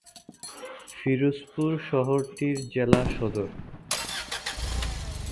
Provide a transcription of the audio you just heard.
ফিরোজপুর শহরটির জেলা সদর।